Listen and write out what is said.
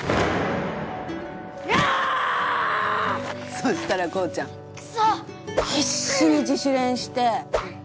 そしたら紘ちゃん必死に自主練して。